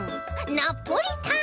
ナポリタン！